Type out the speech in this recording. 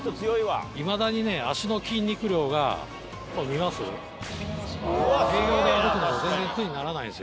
いまだにね足の筋肉量が見ます？